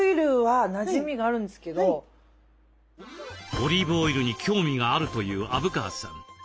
オリーブオイルに興味があるという虻川さん